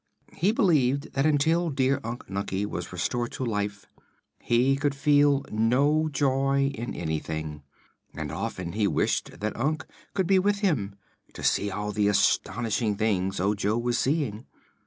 He believed that until dear Unc Nunkie was restored to life he could feel no joy in anything, and often he wished that Unc could be with him, to see all the astonishing things Ojo was seeing.